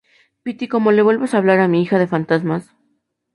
piti, como le vuelvas a hablar a mi hija de fantasmas